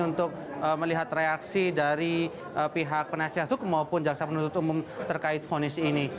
untuk melihat reaksi dari pihak penasihat hukum maupun jasa penutup umum terkait vonis ini